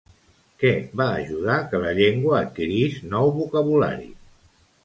Què va ajudar que la llengua adquirís nou vocabulari?